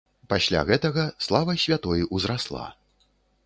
Пасля гэтага слава святой ўзрасла.